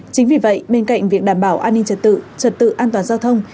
chính vì vậy bên cạnh việc đảm bảo an ninh trật tự trật tự an toàn giao thông